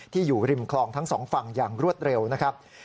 อยู่ริมคลองทั้งสองฝั่งอย่างรวดเร็วนะครับ